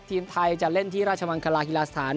ทีมไทยจะเล่นที่ราชมังคลาฮิลาสถาน